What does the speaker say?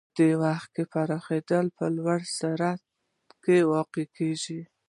د وخت پراخېدل په لوړ سرعت کې واقع کېږي.